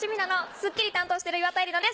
『スッキリ』担当してる岩田絵里奈です